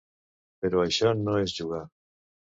Però això no és jugar.